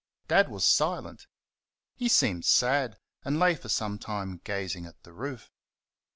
Dad was silent; he seemed sad, and lay for some time gazing at the roof.